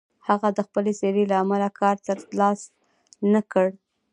هغه د خپلې څېرې له امله کار تر لاسه نه کړ.